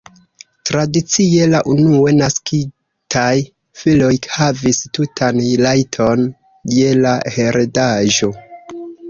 Tradicie la unue naskitaj filoj havis tutan rajton je la heredaĵo.